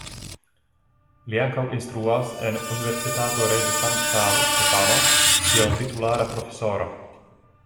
Li ankaŭ instruas en Universitato Reĝo Sankta Stefano kiel titulara profesoro.